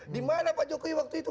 dimana pak jokowi waktu itu